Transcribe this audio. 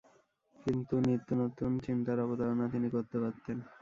কিন্তু নিত্যনূতন চিন্তার অবতারণা তিনি করতে পারতেন।